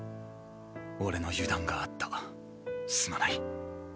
俺の油断があったすまない。